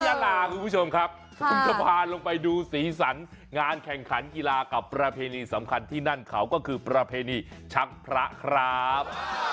ยาลาคุณผู้ชมครับผมจะพาลงไปดูสีสันงานแข่งขันกีฬากับประเพณีสำคัญที่นั่นเขาก็คือประเพณีชักพระครับ